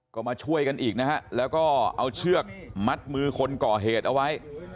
ก็มาช่วยกันอีกนะฮะแล้วก็เอาเชือกมัดมือคนก่อเหตุเอาไว้